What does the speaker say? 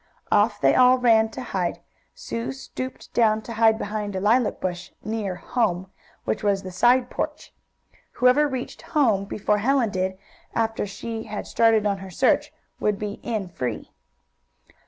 Off they all ran to hide. Sue stooped down to hide behind a lilac bush, near "home," which was the side porch. Whoever reached "home" before Helen did, after she had started on her search, would be "in free."